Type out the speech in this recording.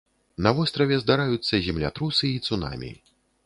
На востраве здараюцца землятрусы і цунамі.